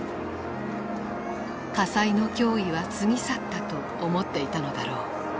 火災の脅威は過ぎ去ったと思っていたのだろう。